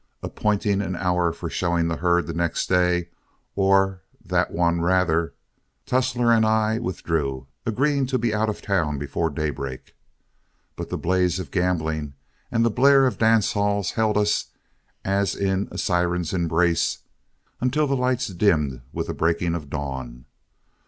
Appointing an hour for showing the herd the next day, or that one rather, Tussler and I withdrew, agreeing to be out of town before daybreak. But the blaze of gambling and the blare of dance halls held us as in a siren's embrace until the lights dimmed with the breaking of dawn.